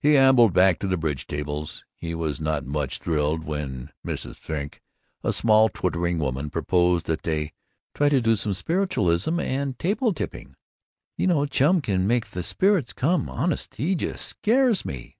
He ambled back to the bridge tables. He was not much thrilled when Mrs. Frink, a small twittering woman, proposed that they "try and do some spiritualism and table tipping you know Chum can make the spirits come honest, he just scares me!"